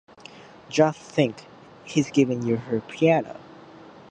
Just think, he's given you her piano.